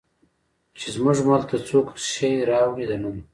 چې زموږ ملک ته څوک شی راوړي دننه